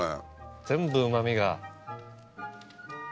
全部うま味が。